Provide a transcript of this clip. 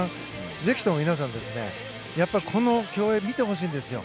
ぜひとも皆さんこの競泳を見てほしいんですよ。